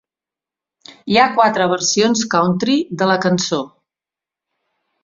Hi ha quatre versions country de la cançó.